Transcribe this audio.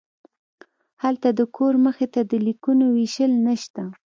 هلته د کور مخې ته د لیکونو ویشل نشته